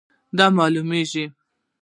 دا معلومیږي